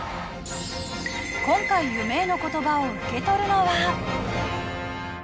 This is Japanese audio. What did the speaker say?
今回夢への言葉を受け取るのは。